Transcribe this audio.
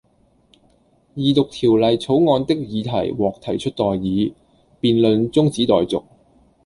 二讀條例草案的議題獲提出待議，辯論中止待續